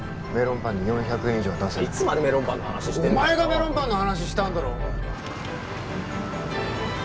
メロンパンに４００円以上は出せないいつまでメロンパンの話してんのお前がメロンパンの話したんだろ！